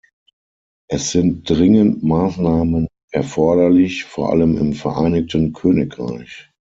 Es sind dringend Maßnahmen erforderlich, vor allem im Vereinigten Königreich.